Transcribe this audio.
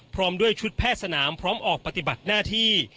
พร้อมด้วยชุดแพทย์สนามพร้อมออกปฏิบัติหน้าที่